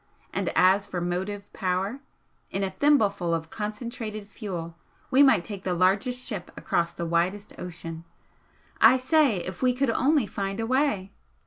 And as for motive power, in a thimbleful of concentrated fuel we might take the largest ship across the widest ocean. I say if we could only find a way!